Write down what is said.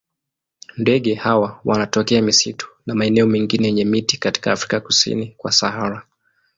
Ndege hawa wanatokea misitu na maeneo mengine yenye miti katika Afrika kusini kwa Sahara.